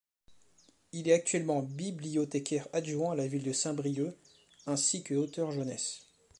Il est actuellement bibliothécaire-adjoint à la ville de Saint-Brieuc ainsi que auteur jeunesse.